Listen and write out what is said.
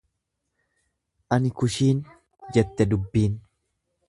Ani kushiin, jette doobbiin.